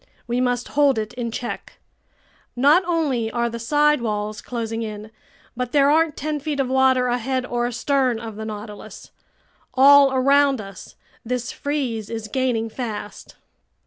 We must hold it in check. Not only are the side walls closing in, but there aren't ten feet of water ahead or astern of the Nautilus. All around us, this freeze is gaining fast."